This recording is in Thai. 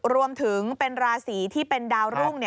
รวมถึงเป็นราศีที่เป็นดาวรุ่ง